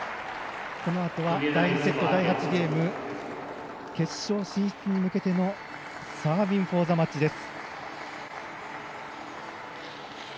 このあとは第２セット第８ゲーム決勝進出に向けてのサービングフォーザマッチです。